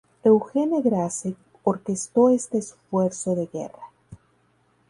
Eugene Grace orquestó este esfuerzo de guerra.